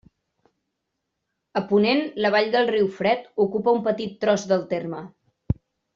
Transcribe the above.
A ponent, la vall del Riu Fred ocupa un petit tros del terme.